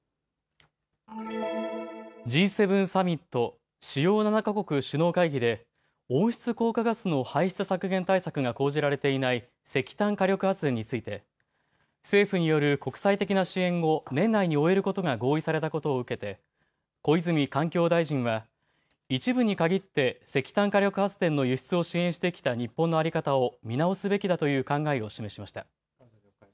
Ｇ７サミット・主要７か国首脳会議で温室効果ガスの排出削減対策が講じられていない石炭火力発電について政府による国際的な支援を年内に終えることが合意されたことを受けて小泉環境大臣は一部に限って石炭火力発電の輸出を支援してきた日本の在り方を見直すべきだという考えを示しました。